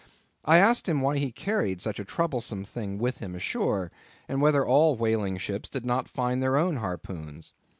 I asked him why he carried such a troublesome thing with him ashore, and whether all whaling ships did not find their own harpoons.